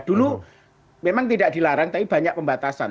dulu memang tidak dilarang tapi banyak pembatasan